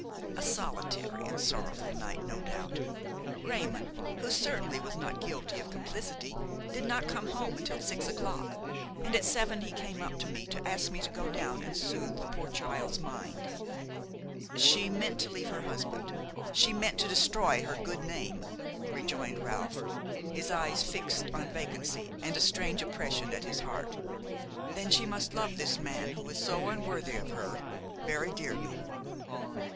"A solitary and sorrowful night, no doubt. Raymon, who certainly was not guilty of complicity, did not come home until six o'clock, and at seven he came up to me to ask me to go down and soothe the poor child's mind." "She meant to leave her husband! she meant to destroy her good name!" rejoined Ralph, his eyes fixed on vacancy and a strange oppression at his heart. "Then she must love this man, who is so unworthy of her, very dearly!"